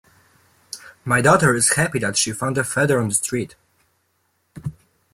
My daughter is happy that she found a feather on the street.